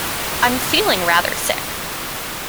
I'm feeling rather sick!